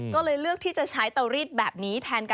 ก็เลยเลือกที่จะใช้เตารีดแบบนี้แทนกัน